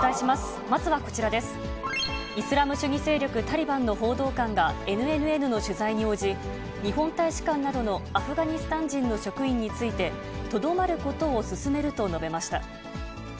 イスラム主義勢力タリバンの報道官がＮＮＮの取材に応じ、日本大使館などのアフガニスタン人の職員について、とどまることを勧めると述べました。